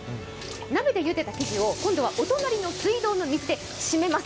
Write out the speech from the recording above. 鍋でゆでた生地を今度はお隣の水道の水でしめます。